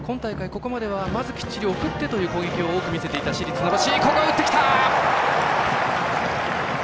ここまではまずきっちり送ってという攻撃を多く見せていた市立船橋